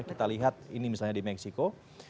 kita lihat ini misalnya di meksiko